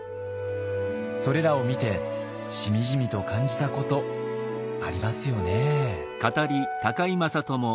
それらを見てしみじみと感じたことありますよね。